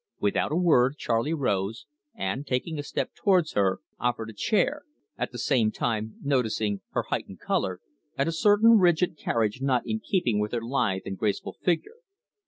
Without a word Charley rose, and, taking a step towards her, offered a chair; at the same time noticing her heightened colour, and a certain rigid carriage not in keeping with her lithe and graceful figure.